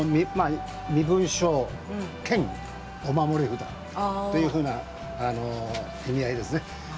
身分証兼お守り札という意味合いですね。